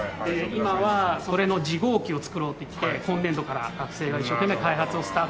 今はそれの次号機を作ろうっていって今年度から学生が一生懸命開発をスタートしてると。